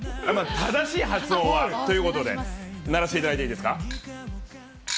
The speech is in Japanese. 正しい発音はということで、鳴らしていただいていいですか。